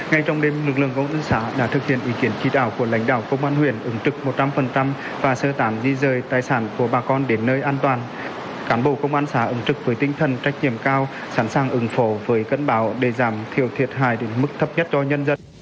tại xã môn sơn huyện con cuông do mực nước sông răng tăng nhanh nên ngay trong đêm lực lượng công an xã đã phối hợp với chính quyền địa phương tiến hành di rời hai mươi hộ dân và tài sản đến nơi an toàn